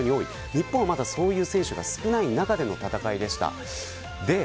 日本はまだそういう選手が少ない中での戦いでした。